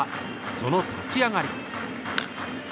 その立ち上がり。